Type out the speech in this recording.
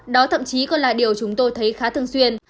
đó thậm chí còn là điều chúng tôi thấy khá thường xuyên